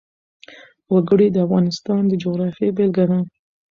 وګړي د افغانستان د جغرافیې بېلګه ده.